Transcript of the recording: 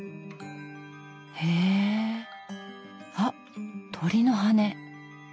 へえあっ鳥の羽根。